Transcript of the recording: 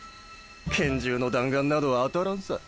拳銃の弾丸など当たらんさ。